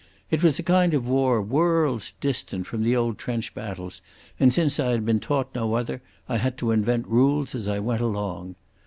It was a kind of war worlds distant from the old trench battles, and since I had been taught no other I had to invent rules as I went along.